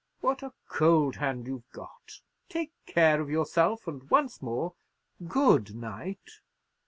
What a cold hand you've got! Take care of yourself; and once more—good night!"